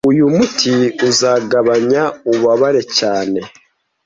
Uyu muti uzagabanya ububabare cyane